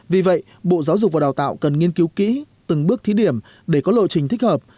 vì vậy bộ giáo dục và đào tạo cần nghiên cứu kỹ từng bước thí điểm để có lộ trình thích hợp